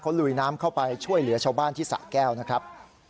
ลุยน้ำเข้าไปช่วยเหลือชาวบ้านที่สะแก้วนะครับ